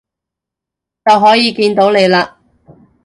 就可以見到你喇